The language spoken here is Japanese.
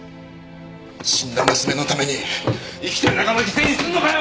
死んだ娘のために生きてる仲間犠牲にするのかよ！